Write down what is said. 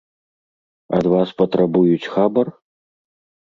Ад вас патрабуюць хабар?